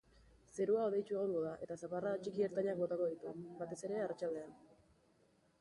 Zerua hodeitsu egongo da eta zaparrada txiki-ertainak botako ditu, batez ere arratsaldean.